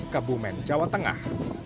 kebumen jawa tengah